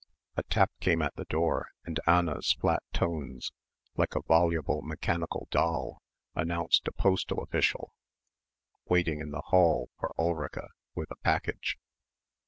A tap came at the door and Anna's flat tones, like a voluble mechanical doll, announced a postal official waiting in the hall for Ulrica with a package.